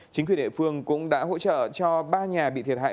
chính quyền địa phương cũng đã hỗ trợ cho ba nhà bị thiệt hại